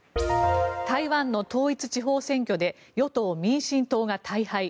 台湾の統一地方選挙で与党・民進党が大敗。